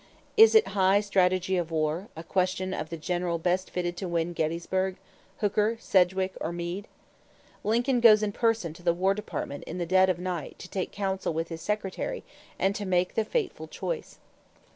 Is it high strategy of war, a question of the general best fitted to win Gettysburg Hooker, Sedgwick, or Meade? Lincoln goes in person to the War Department in the dead of night to take counsel with his Secretary and to make the fateful choice.